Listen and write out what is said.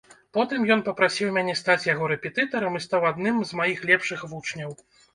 Потым ён папрасіў мяне стаць яго рэпетытарам і стаў адным з маіх лепшых вучняў.